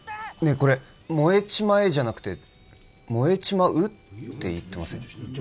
これ「燃えちまえ」じゃなくて「燃えちまう」って言ってません？